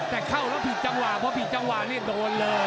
แต่เข้าแล้วผิดจังหวะพอผิดจังหวะนี่โดนเลย